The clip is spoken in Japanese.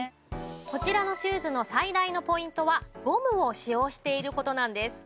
こちらのシューズの最大のポイントはゴムを使用している事なんです。